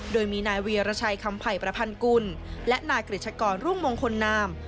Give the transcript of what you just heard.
โดยมีนายเวียรชัยคำไผ่ประพันกุลและนายกริจกรรุ่งมงคลนาม